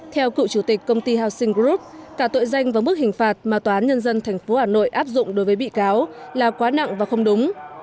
theo cựu chủ tịch công ty housing group cả tội danh và mức hình phạt mà tòa án nhân dân tp hà nội áp dụng đối với bị cáo là quá nặng và không đúng